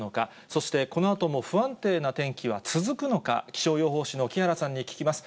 そして、このあとも不安定な天気は続くのか、気象予報士の木原さんに聞きます。